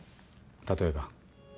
例えば？